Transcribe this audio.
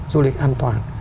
du lịch an toàn